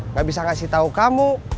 gak bisa ngasih tahu kamu